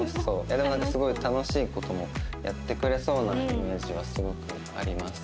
なんかすごい楽しい事もやってくれそうなイメージはすごくあります。